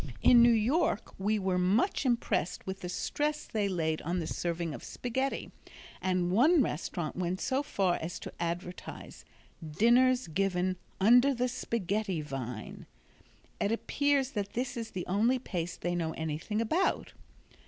In New York we were much impressed with the stress they laid on the serving of spaghetti, and one restaurant went so far as to advertise dinners given "under the spaghetti vine." It appears that this is the only paste they know anything about.